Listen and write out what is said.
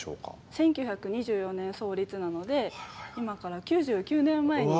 １９２４年創立なので今から９９年前になるんですけど。